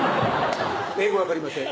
「英語わかりません」